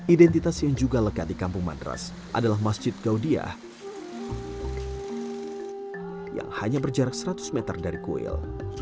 identitas yang juga lekat di kampung madras adalah masjid gaudiah yang hanya berjarak seratus meter dari kuil